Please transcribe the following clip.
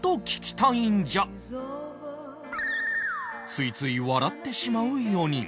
ついつい笑ってしまう４人